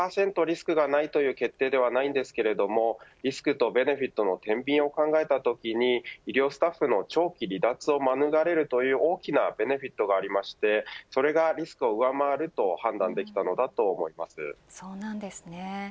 リスクがないという決定ではないですがリスクとベネフィットのてんびんを考えたときに医療スタッフの長期離脱を免れるという大きなベネフィットがありましてそれがリスクを上回ると判断できたのだと思います。